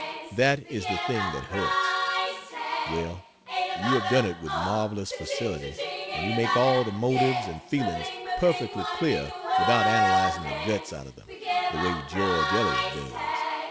That is the thing that hurts. Well, you have done it with marvelous facility and you make all the motives and feelings perfectly clear without analyzing the guts out of them, the way George Eliot does.